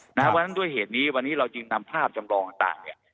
เพราะฉะนั้นด้วยเหตุนี้วันนี้เราจึงนำภาพจำลองต่างเนี่ย